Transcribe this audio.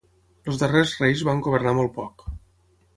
Els darrers reis van governar molt poc.